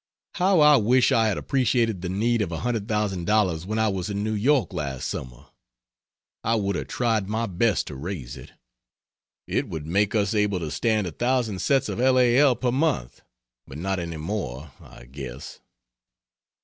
How I wish I had appreciated the need of $100,000 when I was in New York last summer! I would have tried my best to raise it. It would make us able to stand 1,000 sets of L. A. L. per month, but not any more, I guess.